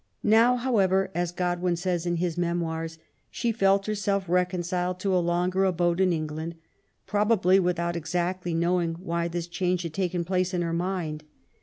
*^Now, however," as Godwin says in his Memoir s^ ''she felt herself reconciled to a longer abode in England, probably without exactly knowing why this change had taken place in her mind."